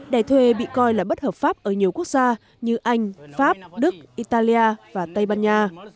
đẻ thuê bị coi là bất hợp pháp ở nhiều quốc gia như anh pháp đức italia và tây ban nha